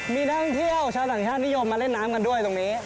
มีนักท่องเที่ยวชาวต่างชาตินิยมมาเล่นน้ำกันด้วยตรงนี้